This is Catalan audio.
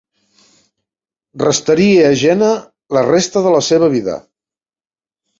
Restaria a Jena la resta de la seva vida.